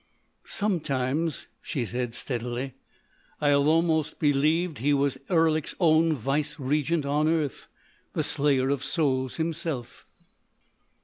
"Sometimes," she said steadily, "I have almost believed he was Erlik's own vice regent on earth—the Slayer of Souls himself."